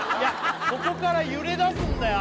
ここから揺れだすんだよ